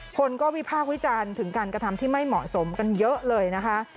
คนก็วิพากษ์วิจารณ์ถึงการกระทำที่ไม่เหมาะสมกันเยอะเลยนะคะ